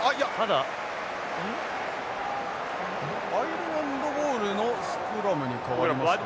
アイルランドボールのスクラムに変わりますか。